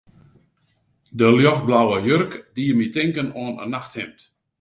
De ljochtblauwe jurk die my tinken oan in nachthimd.